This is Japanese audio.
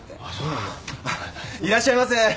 いらっしゃいませ。